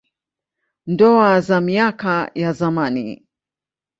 Ndoa za miaka ya zamani.